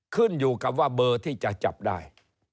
ขึ้นอยู่กับว่าเบอร์ที่จะจับได้